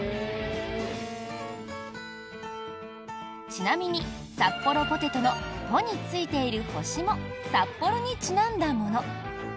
ちなみにサッポロポテトのポについている星も札幌にちなんだもの。